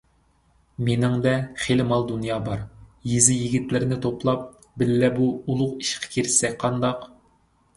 مېنىڭدە خېلى مال - دۇنيا بار، يېزا يىگىتلىرىنى توپلاپ، بىللە بۇ ئۇلۇغ ئىشقا كىرىشسەك قانداق؟